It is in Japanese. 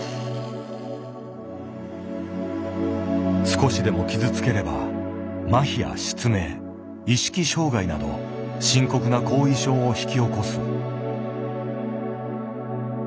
少しでも傷つければ麻痺や失明意識障害など深刻な後遺症を引き起こす。